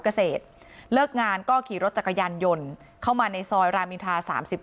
เกษตรเลิกงานก็ขี่รถจักรยานยนต์เข้ามาในซอยรามินทา๓๙